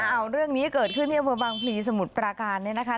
เอาเรื่องนี้เกิดขึ้นที่อำเภอบางพลีสมุทรปราการเนี่ยนะคะ